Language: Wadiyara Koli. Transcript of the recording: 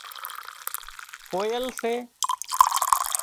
ڪوئيل سي